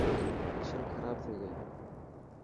مشين کراب ٿي گئي.